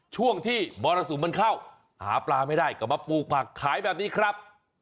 ช่วงที่มรสุมมันเข้าหาปลาไม่ได้ก็มาปลูกผักขายแบบนี้ครับ